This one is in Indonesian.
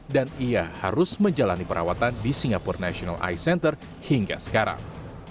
dan ia harus menjalani perawatan di singapore national ice center hingga sekarang